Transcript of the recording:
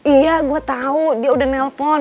iya gua tau dia udah nelfon